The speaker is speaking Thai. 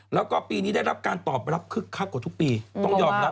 แล้วก็ปีนี้ได้รับการตอบไปคราวทุกปีต้องยอมรับ